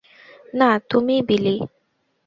না, তুমিই বিলি।